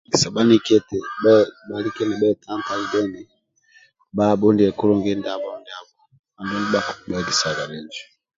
Egesa bhaniki eti bhalike nibhetantali deni bhabhundilie kulungi ndabho ndiabho andulu ndia bhakibhuegesaga bhinjo